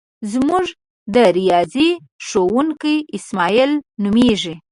زمونږ د ریاضی ښوونکی اسماعیل نومیږي.